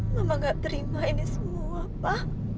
mama ga terima ini semua pa